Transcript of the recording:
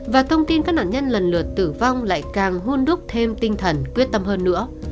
và thông tin các nạn nhân lần lượt tử vong lại càng hôn đúc thêm tinh thần quyết tâm hơn nữa